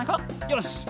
よし。